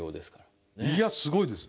いやすごいです。